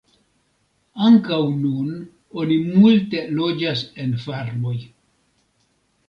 Ankaŭ nun oni multe loĝas en farmoj.